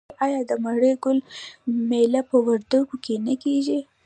آیا د مڼې ګل میله په وردګو کې نه کیږي؟